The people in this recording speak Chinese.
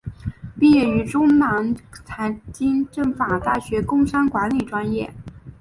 毕业于中南财经政法大学工商管理专业。